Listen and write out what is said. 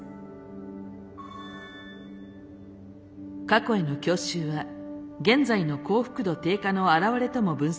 過去への郷愁は現在の幸福度低下の現れとも分析でき